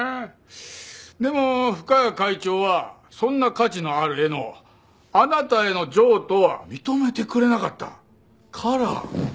でも深谷会長はそんな価値のある絵のあなたへの譲渡は認めてくれなかったから。